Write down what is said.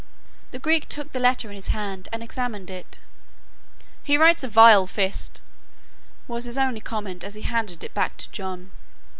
The Greek took the letter in his hand and examined it. "He writes a vile fist," was his only comment as he handed it back to John.